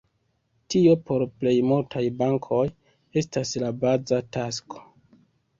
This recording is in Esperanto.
Tio por plej multaj bankoj estas la baza tasko.